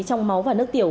trong máu và nước tiểu